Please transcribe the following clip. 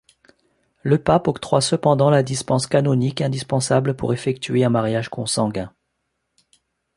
Le pape octroie cependant la dispense canonique indispensable pour effectuer un mariage consanguin.